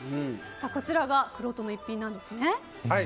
こちらがくろうとの逸品なんですね。